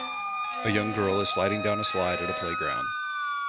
A young girl is sliding down a slide at a playground.